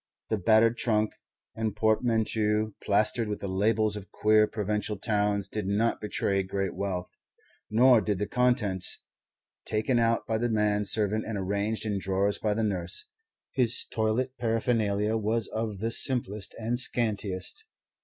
The battered trunk and portmanteau plastered with the labels of queer provincial towns did not betray great wealth. Nor did the contents, taken out by the man servant and arranged in drawers by the nurse. His toilet paraphernalia was of the simplest and scantiest.